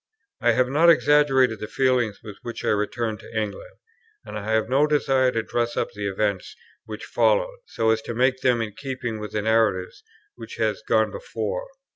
I have not exaggerated the feelings with which I returned to England, and I have no desire to dress up the events which followed, so as to make them in keeping with the narrative which has gone before.